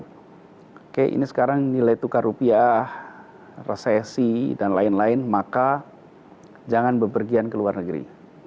oke ini sekarang nilai tukar rupiah resesi dan lain lain maka jangan bepergian ke luar negeri